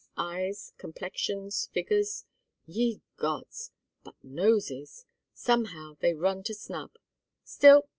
Eyes, complexions, figures ye gods! But noses somehow they run to snub. Still!